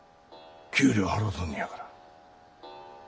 給料払うとんのやから。